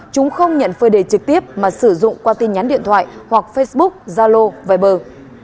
chúng không nhận phơi đề trực tiếp mà sử dụng qua tin nhắn điện thoại hoặc facebook zalo viber